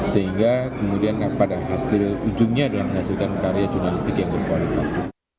sehingga kemudian pada hasil ujungnya adalah menghasilkan karya jurnalistik yang berkualitas